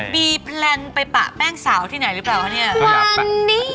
มีแพลนไปปะแป้งสาวที่ไหนหรือเปล่าคะเนี่ย